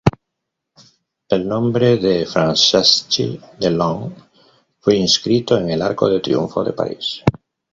El nombre de Franceschi-Delonne fue inscrito en el Arco de Triunfo de París.